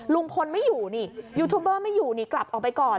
ลุงพลไม่อยู่นี่ยูทูบเบอร์ไม่อยู่นี่กลับออกไปก่อน